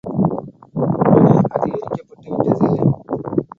உடனே அது எரிக்கப்பட்டு விட்டது.